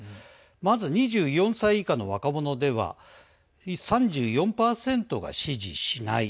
まず２４歳以下の若者では３４％が支持しない。